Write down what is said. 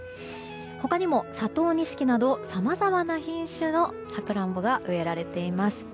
他にも、佐藤錦などさまざまな品種のサクランボが植えられています。